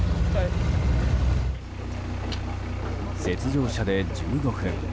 雪上車で１５分。